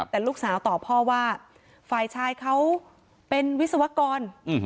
แต่ลูกสาวตอบพ่อว่าฝ่ายชายเขาเป็นวิศวกร